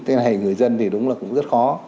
thế này người dân thì đúng là cũng rất khó